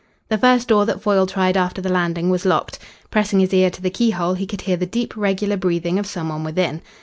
The first door that Foyle tried after the landing was locked. Pressing his ear to the keyhole, he could hear the deep, regular breathing of some one within.